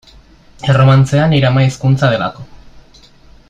Erromantzea nire ama hizkuntza delako.